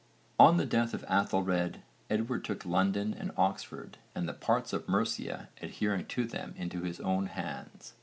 On the death of Aethelred, Edward took London and Oxford and the parts of Mercia adhering to them into his own hands.